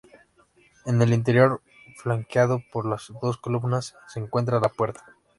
En el inferior, flanqueado por dos columnas, se encuentra la puerta.